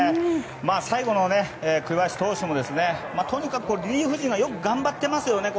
最後の栗林投手もね、とにかくリリーフ陣がよく頑張ってます。